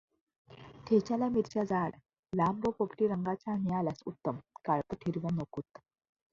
ठेच्याला मिरच्या जाड, लांब व पोपटी रंगाच्या मिळाल्यास उत्तम काळपट हिरव्या नकोत